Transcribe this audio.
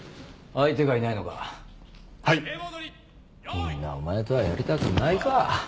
みんなお前とはやりたくないか。